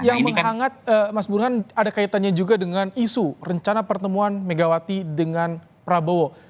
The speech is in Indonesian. yang menghangat mas burhan ada kaitannya juga dengan isu rencana pertemuan megawati dengan prabowo